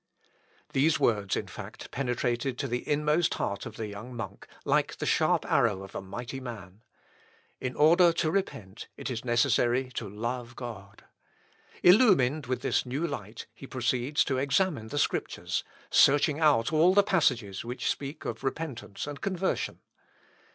These words, in fact, penetrated to the inmost heart of the young monk, like the sharp arrow of a mighty man. In order to repent, it is necessary to love God. Illumined with this new light, he proceeds to examine the Scriptures, searching out all the passages which speak of repentance and conversion.